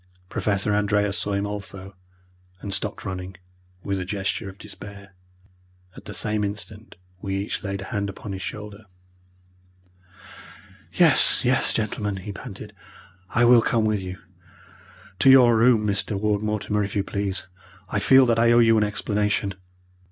Professor Andreas saw him also, and stopped running, with a gesture of despair. At the same instant we each laid a hand upon his shoulder. "Yes, yes, gentlemen," he panted, "I will come with you. To your room, Mr. Ward Mortimer, if you please! I feel that I owe you an explanation."